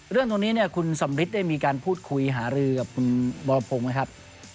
เรื่องตรงนี้เนี่ยคุณสำริทได้มีการพูดคุยหารือกับคุณวรพงศ์ไหมครับ